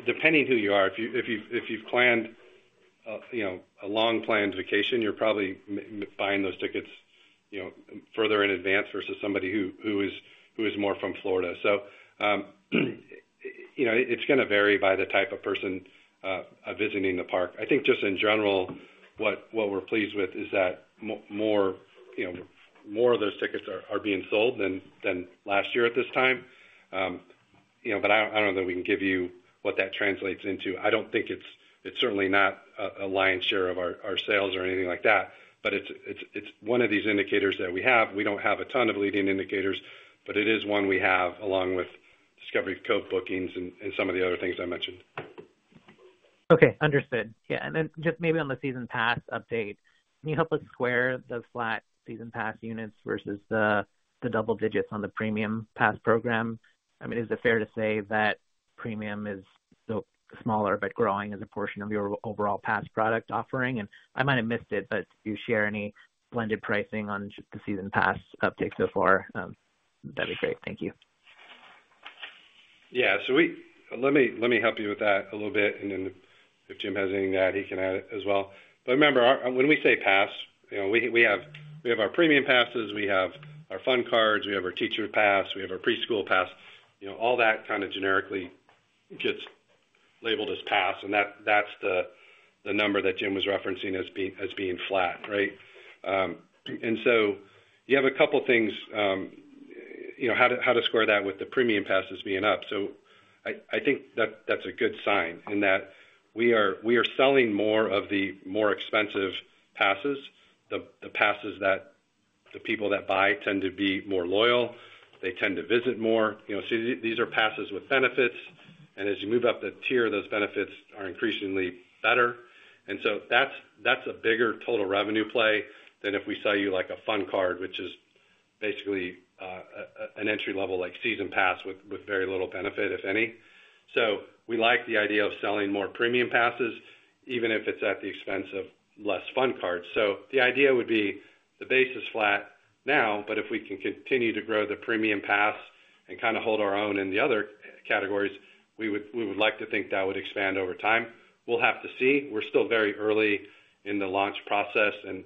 depending who you are, if you've planned a long-planned vacation, you're probably buying those tickets further in advance versus somebody who is more from Florida. So it's going to vary by the type of person visiting the park. I think just in general, what we're pleased with is that more of those tickets are being sold than last year at this time. But I don't know that we can give you what that translates into. I don't think it's certainly not a lion's share of our sales or anything like that. But it's one of these indicators that we have. We don't have a ton of leading indicators, but it is one we have along with Discovery Cove bookings and some of the other things I mentioned. Okay. Understood. Yeah. And then just maybe on the season pass update, can you help us square the flat season pass units versus the double digits on the Premium Pass program? I mean, is it fair to say that premium is smaller but growing as a portion of your overall pass product offering? And I might have missed it, but do you share any blended pricing on the season pass update so far? That'd be great. Thank you. Yeah. So let me help you with that a little bit. And then if Jim has anything to add, he can add it as well. But remember, when we say pass, we have our Premium Passes. We have our Fun Cards. We have our Teacher Pass. We have our Preschool Pass. All that kind of generically gets labeled as pass, and that's the number that Jim was referencing as being flat, right? And so you have a couple of things: how to square that with the Premium Passes being up, so I think that's a good sign in that we are selling more of the more expensive passes, the passes that the people that buy tend to be more loyal. They tend to visit more, so these are passes with benefits, and as you move up the tier, those benefits are increasingly better, and so that's a bigger total revenue play than if we sell you a Fun Card, which is basically an entry-level season pass with very little benefit, if any. So we like the idea of selling more Premium Passes, even if it's at the expense of less Fun Cards. So the idea would be the base is flat now, but if we can continue to grow the Premium Pass and kind of hold our own in the other categories, we would like to think that would expand over time. We'll have to see. We're still very early in the launch process. And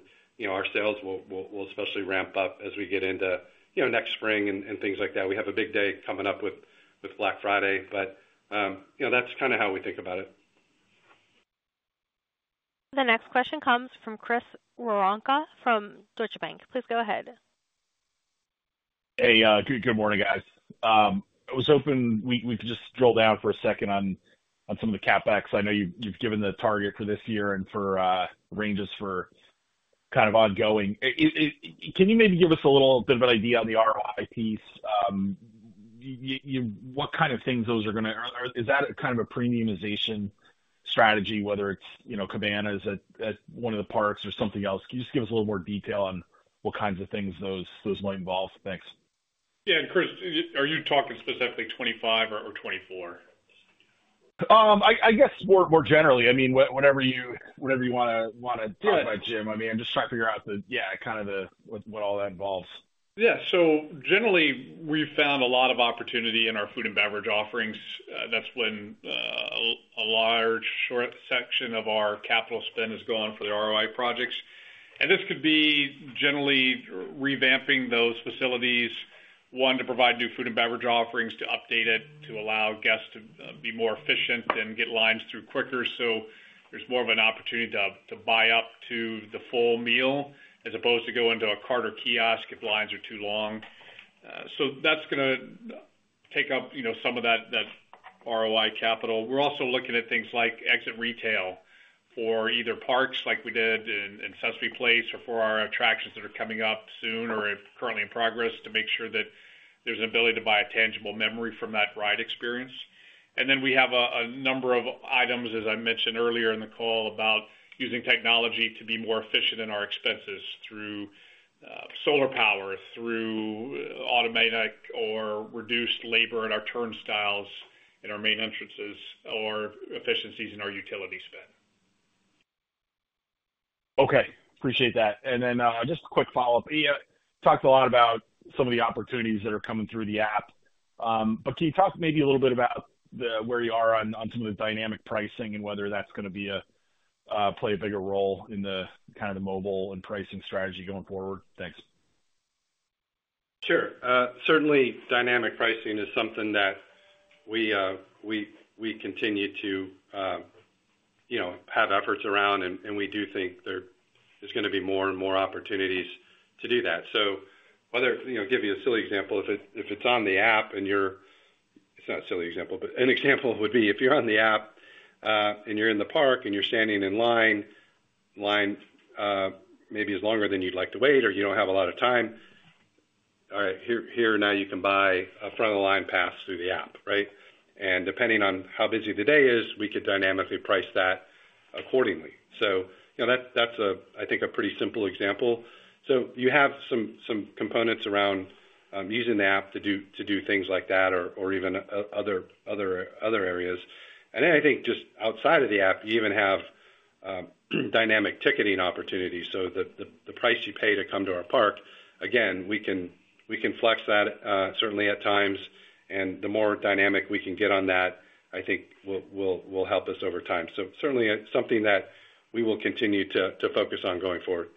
our sales will especially ramp up as we get into next spring and things like that. We have a big day coming up with Black Friday. But that's kind of how we think about it. The next question comes from Chris Woronka from Deutsche Bank. Please go ahead. Hey. Good morning, guys. We can just drill down for a second on some of the CapEx. I know you've given the target for this year and for ranges for kind of ongoing. Can you maybe give us a little bit of an idea on the ROI piece? What kind of things those are going to is that kind of a premiumization strategy, whether it's cabanas at one of the parks or something else? Can you just give us a little more detail on what kinds of things those might involve? Thanks. Yeah. And Chris, are you talking specifically 2025 or 2024? I guess more generally. I mean, whatever you want to talk about, Jim. I mean, I'm just trying to figure out, yeah, kind of what all that involves. Yeah. So generally, we've found a lot of opportunity in our food and beverage offerings. That's when a large section of our capital spend is going for the ROI projects. This could be generally revamping those facilities, one, to provide new food and beverage offerings, to update it to allow guests to be more efficient and get lines through quicker. There's more of an opportunity to buy up to the full meal as opposed to going to a cart or kiosk if lines are too long. That's going to take up some of that ROI capital. We're also looking at things like exit retail for either parks like we did in Sesame Place or for our attractions that are coming up soon or currently in progress to make sure that there's an ability to buy a tangible memory from that ride experience. Then we have a number of items, as I mentioned earlier in the call, about using technology to be more efficient in our expenses through solar power, through automatic or reduced labor at our turnstiles and our main entrances, or efficiencies in our utility spend. Okay. Appreciate that. Then just a quick follow-up. You talked a lot about some of the opportunities that are coming through the app. But can you talk maybe a little bit about where you are on some of the dynamic pricing and whether that's going to play a bigger role in kind of the mobile and pricing strategy going forward? Thanks. Sure. Certainly, dynamic pricing is something that we continue to have efforts around. And we do think there's going to be more and more opportunities to do that. So I'll give you a silly example. If it's on the app and you're, it's not a silly example, but an example would be if you're on the app and you're in the park and you're standing in line, line maybe is longer than you'd like to wait or you don't have a lot of time, all right, here now you can buy a front-of-the-line pass through the app, right? And depending on how busy the day is, we could dynamically price that accordingly. So that's, I think, a pretty simple example. So you have some components around using the app to do things like that or even other areas. And then I think just outside of the app, you even have dynamic ticketing opportunities. So the price you pay to come to our park, again, we can flex that certainly at times. And the more dynamic we can get on that, I think will help us over time. So certainly something that we will continue to focus on going forward.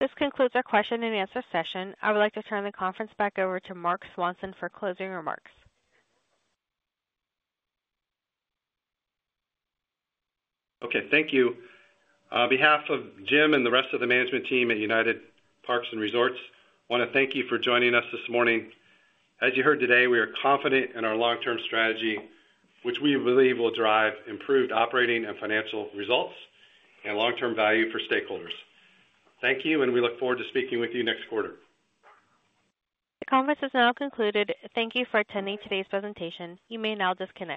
This concludes our question-and-answer session. I would like to turn the conference back over to Marc Swanson for closing remarks. Okay. Thank you. On behalf of Jim and the rest of the management team at United Parks & Resorts, I want to thank you for joining us this morning. As you heard today, we are confident in our long-term strategy, which we believe will drive improved operating and financial results and long-term value for stakeholders. Thank you. And we look forward to speaking with you next quarter. The conference has now concluded. Thank you for attending today's presentation. You may now disconnect.